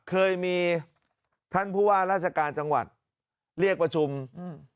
เคยมีท่านผู้ว่าราชการจังหวัดเรียกประชุมอืม